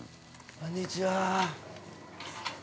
◆こんにちは。